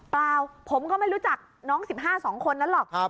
เปล่าผมก็ไม่รู้จักน้อง๑๕๒คนนั้นหรอก